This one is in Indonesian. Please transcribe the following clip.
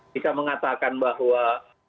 bisa mengatakan bahwa